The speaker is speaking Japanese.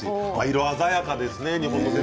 色鮮やかですね。